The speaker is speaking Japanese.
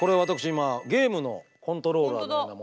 今ゲームのコントローラーのようなものを。